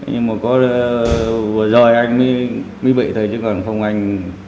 nhưng mà có vừa rồi anh mới bị thời chứ còn không anh